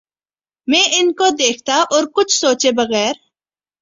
میں ان کو دیکھتا اور کچھ سوچے بغیر